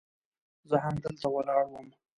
زه همدلته ولاړ وم.